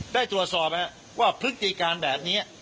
ได้ตรวจสอบว่าพฤติการแบบนี้